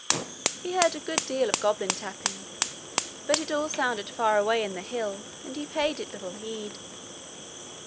He heard a good deal of goblin tapping, but it all sounded far away in the hill, and he paid it little heed.